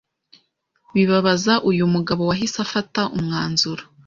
bibabaza uyu mugabo wahise afata umwanzuro